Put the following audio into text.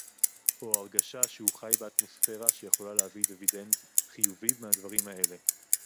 או ההרגשה שהוא חי באטמוספירה שיכולה להביא דיבידנד חיובי מהדברים האלה